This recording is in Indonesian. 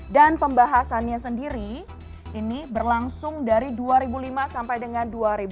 dan pembahasannya sendiri ini berlangsung dari dua ribu lima sampai dengan dua ribu tujuh